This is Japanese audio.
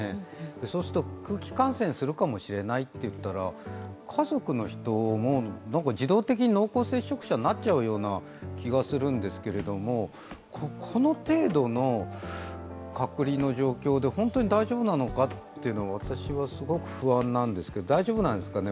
そうすると空気感染するかもしれないっていったら家族の人も自動的に濃厚接触者になっちゃうような気がするんですけれどもこの程度の隔離の状況で本当に大丈夫なのかって私はすごく不安なんですけど。